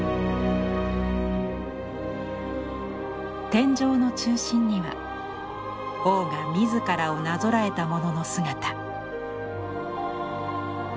天井の中心には王が自らをなぞらえたものの姿。